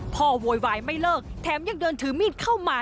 โวยวายไม่เลิกแถมยังเดินถือมีดเข้ามา